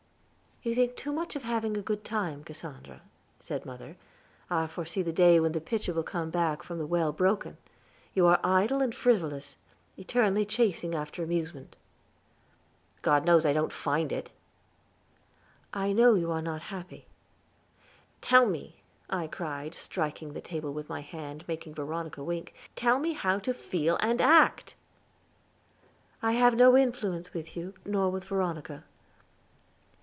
"You think too much of having a good time, Cassandra," said mother. "I foresee the day when the pitcher will come back from the well broken. You are idle and frivolous; eternally chasing after amusement." "God knows I don't find it." "I know you are not happy." "Tell me," I cried, striking the table with my hand, making Veronica wink, "tell me how to feel and act." "I have no influence with you, nor with Veronica."